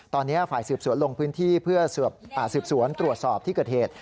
ตอนนี้ฝ่ายสืบสวนลงพื้นที่เพื่อสืบสวนตรวจสอบที่เกิดเหตุ